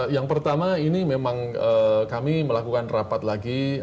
yang pertama ini memang kami melakukan rapat lagi